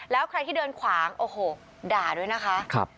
แล้วใครที่เดินขวางโอ้โหด่าด้วยนะคะ